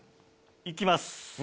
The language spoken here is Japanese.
行きます。